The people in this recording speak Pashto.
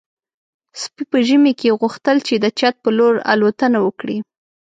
سپي په ژمي کې غوښتل چې د چت په لور الوتنه وکړي.